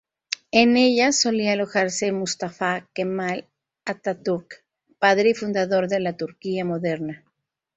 En ella solía alojarse Mustafa Kemal Atatürk, padre y fundador de la Turquía moderna.